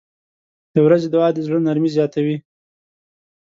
• د ورځې دعا د زړه نرمي زیاتوي.